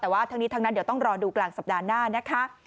แต่ว่าทั้งนี้ทั้งนั้นเดี๋ยวต้องรอดูกลางสัปดาห์หน้านะคะ